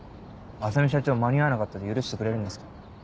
浅海社長「間に合わなかった」で許してくれるんですか？